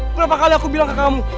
berapa kali aku bilang ke kamu